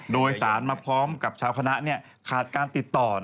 โดยสารมาพร้อมกับชาวคณะขาดการติดต่อ